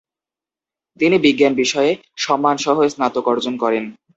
তিনি বিজ্ঞান বিষয়ে সম্মানসহ স্নাতক অর্জন করেন।